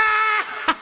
ハハハ